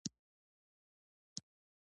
آیا دوی له نورو هیوادونو سره اړیکې نلري؟